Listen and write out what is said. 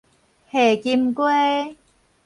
夏金瓜